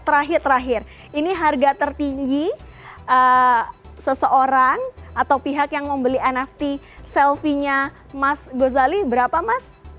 terakhir terakhir ini harga tertinggi seseorang atau pihak yang membeli nft selfie nya mas gozali berapa mas